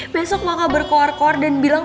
besok maka berkoar koar dan bilang